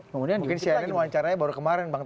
mungkin cnn wawancaranya baru kemarin bang